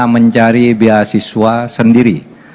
mencari biaya siswa sendiri